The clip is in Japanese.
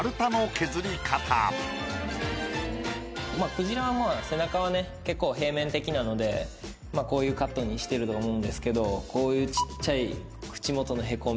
クジラは背中はね結構平面的なのでこういうカットにしてると思うんですけどこういうちっちゃい口元のへこみ。